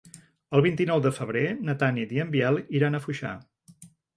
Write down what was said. El vint-i-nou de febrer na Tanit i en Biel iran a Foixà.